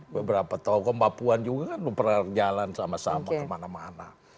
beberapa tahun ke papuan juga kan lu pernah jalan sama sama kemana mana